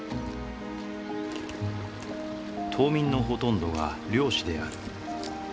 島民のほとんどが漁師である。